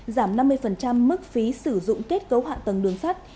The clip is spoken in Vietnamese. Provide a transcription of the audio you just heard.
giảm năm mươi mức phí sử dụng kết cấu hạ tầng đường sắt